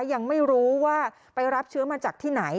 ยังไม่รู้ว่าไปรับเชื้อมาจากที่ไหน